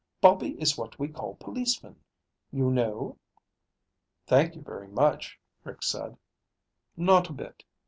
Bobby is what we call policemen. You know?" "Thank you very much," Rick said. "Not a bit.